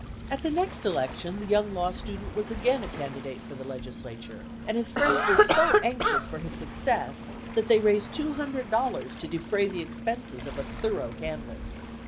At the next election the young law student was again a candidate for the legislature, and his friends were so anxious for his success that they raised two hundred dollars to defray the expenses of a thorough canvass.